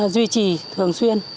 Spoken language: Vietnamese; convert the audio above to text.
duy trì thường xuyên